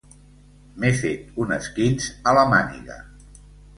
M'he fet un esquinç a la màniga.